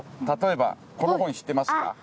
例えばこの本知ってますか？